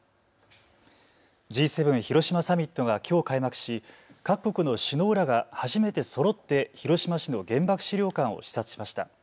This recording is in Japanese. Ｇ７広島サミットがきょう開幕し各国の首脳らが初めてそろって広島市の原爆資料館を視察しました。